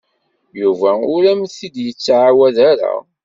Yuba ur am-t-id-yettɛawad ara.